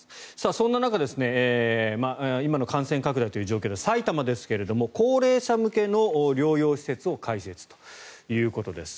そんな中今の感染拡大という状況で埼玉ですが高齢者向けの療養施設を開設ということです。